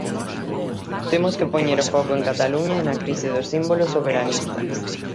Temos que poñer o foco en Cataluña e na crise dos símbolos soberanistas.